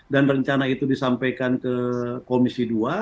dan rencana itu disampaikan ke komisi dua